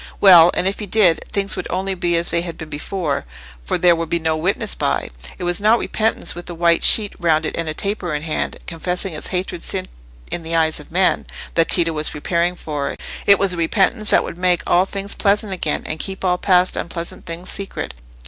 Well—and if he did, things would only be as they had been before; for there would be no witness by. It was not repentance with a white sheet round it and taper in hand, confessing its hated sin in the eyes of men, that Tito was preparing for: it was a repentance that would make all things pleasant again, and keep all past unpleasant things secret.